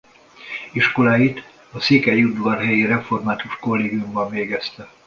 Iskoláit a Székelyudvarhelyi református kollégiumban végezte.